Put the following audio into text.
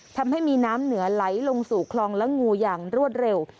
ทำให้มีน้ำเหนือไหลลงสู่คลองและงูอย่างรวดเร็ว